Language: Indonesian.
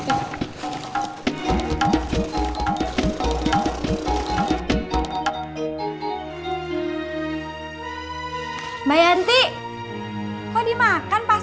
tidak tidak tidak